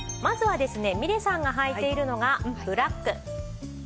まずはですねみれさんがはいているのがブラック。